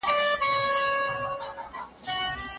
معلم غني وویل چې قناعت د انسان تر ټولو لویه شتمني ده.